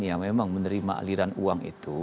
yang memang menerima aliran uang itu